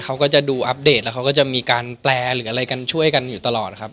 เขาก็จะดูอัปเดตแล้วเขาก็จะมีการแปลหรืออะไรกันช่วยกันอยู่ตลอดครับ